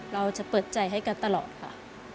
เราจะเปิดใจให้กันตลอดค่ะ